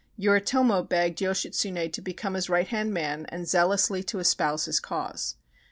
Yoritomo begged Yoshitsune to become his right hand man and zealously to espouse his cause.